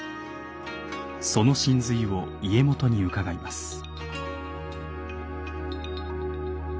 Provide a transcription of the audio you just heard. その神髄を家元に伺います。